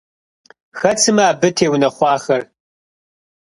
Хэт сымэ абы теунэхъуахэр?